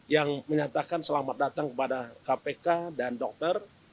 yang menyatakan selamat datang kepada kpk dan dokter